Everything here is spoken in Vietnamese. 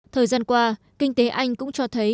thời gian qua kinh tế anh cũng cho thấy